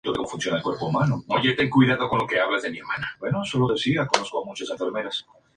Tras finalizar su cesión, continúa en el cuadro alcarreño en propiedad.